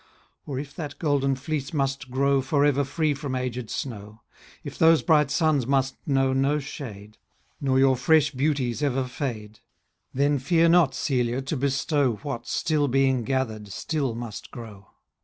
Or if that golden fleece must grow For ever free from agèd snow; If those bright suns must know no shade, Nor your fresh beauties ever fade; 10 Then fear not, Celia, to bestow What, still being gather'd, still must grow.